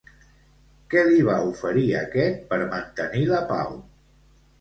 Què li va oferir aquest per mantenir la pau?